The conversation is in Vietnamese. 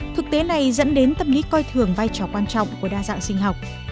thực tế này dẫn đến tâm lý coi thường vai trò quan trọng của đa dạng sinh học